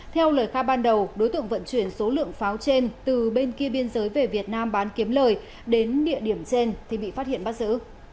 theo lời khai ban đầu đối tượng vận chuyển số lượng pháo trên từ bên kia biên giới về việt nam bán kiếm lời đến địa điểm trên thì bị phát hiện bắt giữ